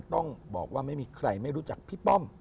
ต้องบอกว่าไม่มีใครไม่รู้จักพี่ป้อม